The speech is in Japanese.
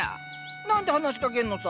何て話しかけんのさ？